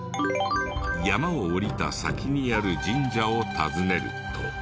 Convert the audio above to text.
山を下りた先にある神社を訪ねると。